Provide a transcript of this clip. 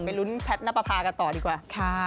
ไปลุ้นพลัทน์นรพภากันต่อดีกว่า